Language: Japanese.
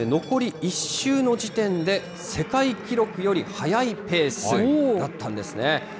残り１周の時点で、世界記録より速いペースだったんですね。